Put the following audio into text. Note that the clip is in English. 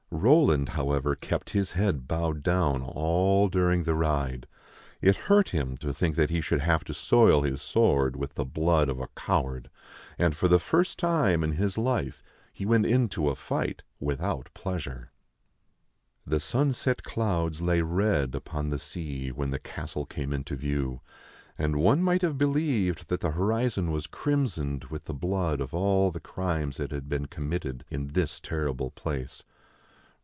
Roland, however, kept his head bowed down all during the ride. It hurt him to think that he should have to soil his sword with the blood of a coward, and for the first time in his life he went into a fight without pleasure. The sunset clouds lay red upon the sea when the castle came into view, and one might have believed that the horizon was crimsoned with the blood of all the crimes that had been committed in this terrible place.